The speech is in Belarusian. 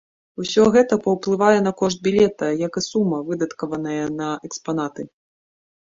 Усё гэта паўплывае на кошт білета, як і сума, выдаткаваная на экспанаты.